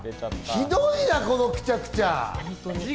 ひどいな、このくちゃくちゃ。